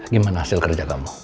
gimana hasil kerja kamu